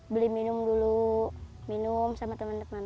beli minum dulu minum sama teman teman